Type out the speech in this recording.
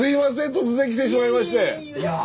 突然来てしまいまして。